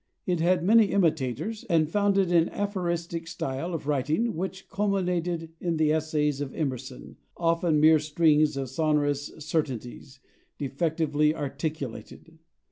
It had many imitators, and founded an aphoristic style of writing which culminated in the essays of Emerson, often mere strings of sonorous certainties, defectively articulated.